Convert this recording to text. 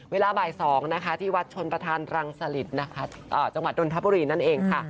เวลาบ่าย๒ที่วัดชนประธานรังสลิตจังหวัดดนทัพบุรีนั่นเอง